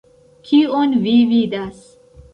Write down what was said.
Kion vi vidas?